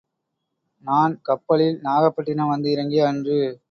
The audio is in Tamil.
நான் கப்பலில் நாகப்பட்டினம் வந்து இறங்கிய அன்று.